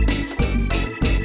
terima kasih bang